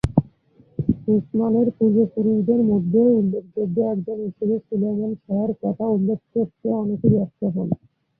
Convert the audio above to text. উসমানের পূর্বপুরুষদের মধ্যে উল্লেখযোগ্য একজন হিসেবে সুলেইমান শাহের কথা উল্লেখ করতে অনেকে ব্যর্থ হন।